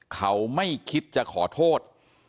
เขาไม่คิดจะขอโทษ